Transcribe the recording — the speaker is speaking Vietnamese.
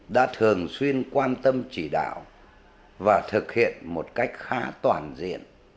đã thường xuyên quan tâm chỉ đạo và thực hiện một cách khá toàn diện